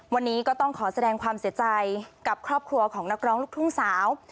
วันนี้ก็ต้องขอแสดงความเสียใจกับครอบครัวของนักร้องลูกทุ่งสาว